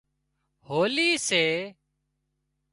هولِي سي